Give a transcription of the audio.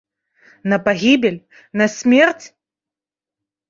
На пагібель, на смерць?